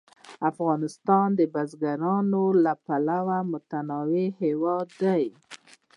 افغانستان د بزګانو له پلوه متنوع هېواد دی.